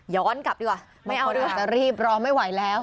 ย้อนกลับดีกว่าไม่เอาด้วยรีบรอไม่ไหวแล้ว